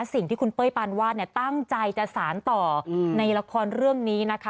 สิ่งที่คุณเป้ยปานวาดตั้งใจจะสารต่อในละครเรื่องนี้นะคะ